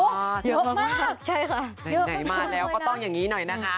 ใช่ค่ะเยอะมากแหน่งมากแล้วก็ต้องอย่างงี้หน่อยนะคะ